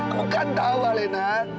kamu kan tahu alena